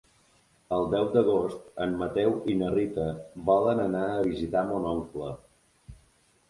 El deu d'agost en Mateu i na Rita volen anar a visitar mon oncle.